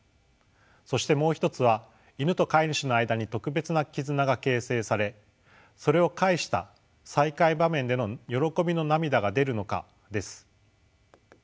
そしてもう一つはイヌと飼い主の間に特別な絆が形成されそれを介した再会場面での喜びの涙が出るのかです。